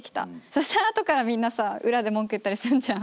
そしたらあとからみんなさ裏で文句言ったりすんじゃん。